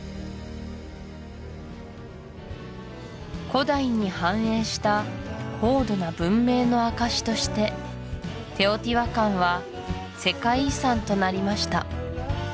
古代に繁栄した高度な文明の証しとしてテオティワカンは世界遺産となりました